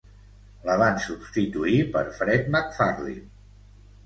La van substituir per Fred McFarlin.